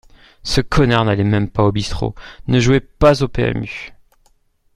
Ce connard n’allait même pas au bistrot, ne jouait pas au PMU